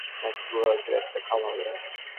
এক টুকরা কাগজ আর একটা খাম হবে?